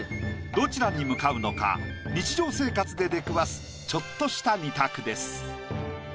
どちらに向かうのか日常生活で出くわすちょっとした２択です。